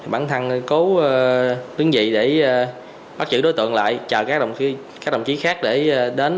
bản thân cố tuyến dị để bắt giữ đối tượng lại chờ các đồng chí khác để đến